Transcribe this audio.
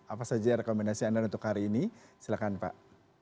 apa saja rekomendasi anda untuk hari ini silahkan pak